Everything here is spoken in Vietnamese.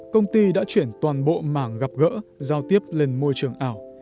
công ty đã chuyển toàn bộ mảng gặp gỡ giao tiếp lên môi trường ảo